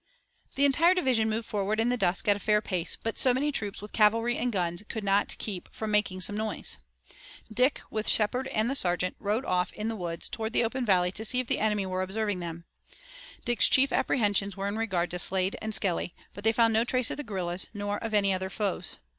The entire division moved forward in the dusk at a fair pace, but so many troops with cavalry and guns could not keep from making some noise. Dick with Shepard and the sergeant rode off in the woods towards the open valley to see if the enemy were observing them. Dick's chief apprehensions were in regard to Slade and Skelly, but they found no trace of the guerrillas, nor of any other foes.